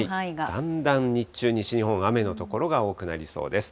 だんだん日中、西日本、雨の所が多くなりそうです。